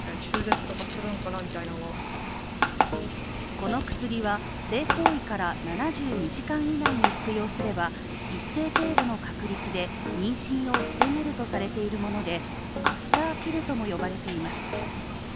この薬は、性行為から７２時間以内に服用すれば、一定程度の確率で妊娠を防げるとされているものでアフターピルとも呼ばれています。